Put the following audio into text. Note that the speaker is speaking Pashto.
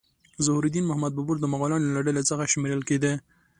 ظهیر الدین محمد بابر د مغولانو له ډلې څخه شمیرل کېده.